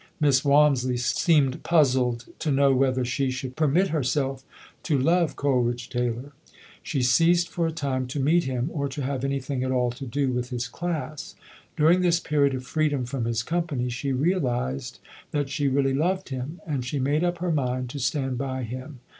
Miss Walmisley seemed puzzled to know whether she should permit herself to love Coleridge Taylor. She ceased for a time to meet him or to have anything at all to do with his class. During this period of freedom from his company, she realized that she really loved him, and she made up her mind to stand by him.